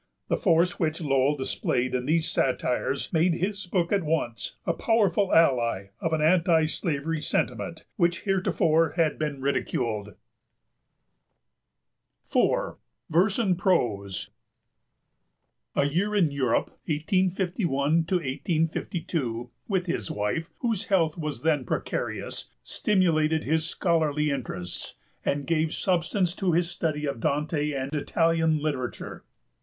The force which Lowell displayed in these satires made his book at once a powerful ally of an anti slavery sentiment, which heretofore had been ridiculed. IV. VERSE AND PROSE. A year in Europe, 1851 1852, with his wife, whose health was then precarious, stimulated his scholarly interests, and gave substance to his study of Dante and Italian literature.